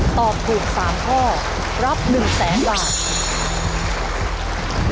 ตอบถูก๓ข้อรับ๑แสนบาท